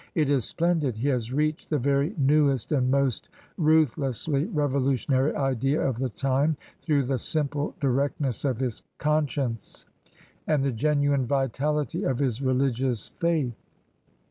It is splendid I He has reached the very newest and most ruthlessly revolutionary idea of the time through the simple direct ness of his conscience and the genuine vitality of his religious faith."